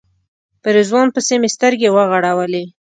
په رضوان پسې مې سترګې وغړولې.